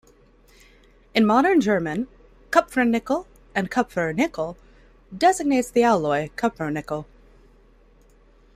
In modern German, Kupfernickel and Kupfer-Nickel designates the alloy Cupronickel.